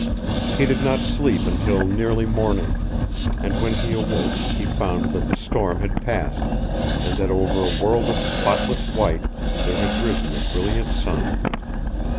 He did not sleep until nearly morning. And when he awoke he found that the storm had passed, and that over a world of spotless white there had risen a brilliant sun.